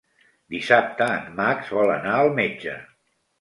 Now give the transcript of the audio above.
Dissabte en Max vol anar al metge.